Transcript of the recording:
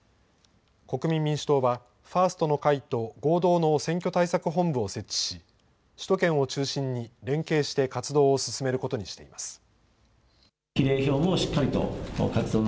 国民民主党は、ファーストの会と合同の選挙対策本部を設置し、首都圏を中心に連携して、活動を進めることにしています。